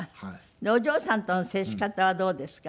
お嬢さんとの接し方はどうですか？